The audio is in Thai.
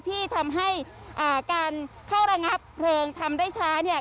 ที่ทำให้อ่าการเข้าระงับเพลิงทำได้ช้าเนี่ย